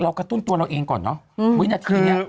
กระตุ้นตัวเราเองก่อนเนอะวินาทีนี้